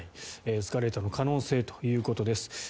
エスカレートの可能性ということです。